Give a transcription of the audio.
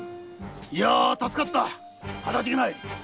助かったかたじけない。